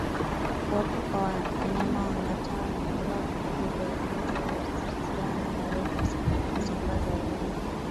Kuwepo kwa wanyama wangatao wanaobeba vijidudu vya ugonjwa wa ndigana baridi husambaza ugonjwa